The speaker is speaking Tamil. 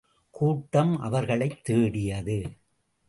கூட்டம் அவர்களைத் தேடியது.